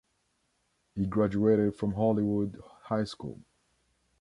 He graduated from Hollywood High School.